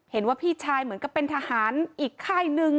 เห็นว่าพี่ชายเหมือนกับเป็นทหารอีกค่ายหนึ่ง